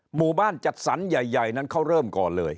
หมู่บ้านจัดสรรใหญ่นั้นเขาเริ่มก่อนเลย